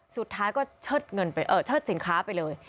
สุดท้ายก็เชิดเงินไปเชิดสินค้าไปเลย